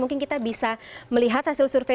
mungkin kita bisa melihat hasil survei